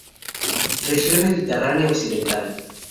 Región mediterránea occidental.